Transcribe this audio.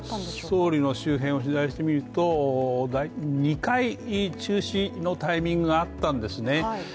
総理の周辺を取材してみると２回中止のタイミングがあったんですね